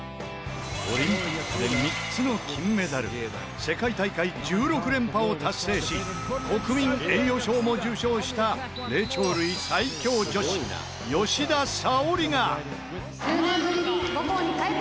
オリンピックで３つの金メダル世界大会１６連覇を達成し国民栄誉賞も受賞した霊長類最強女子吉田沙保里が。